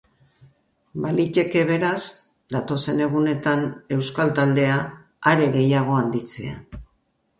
Baliteke, beraz, datozen egunetan euskal taldea are gehiago handitzea.